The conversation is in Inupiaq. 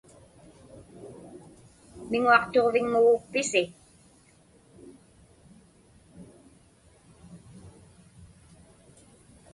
Miŋuaqtuġviŋmugukpisi?